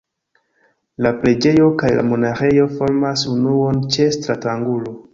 La preĝejo kaj la monaĥejo formas unuon ĉe stratangulo.